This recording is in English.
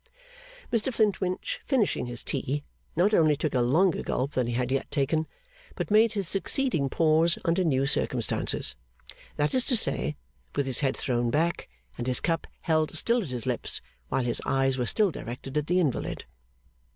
Mr Flintwinch, finishing his tea, not only took a longer gulp than he had taken yet, but made his succeeding pause under new circumstances: that is to say, with his head thrown back and his cup held still at his lips, while his eyes were still directed at the invalid.